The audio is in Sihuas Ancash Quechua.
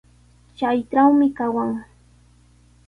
Chaytrawmi kawan.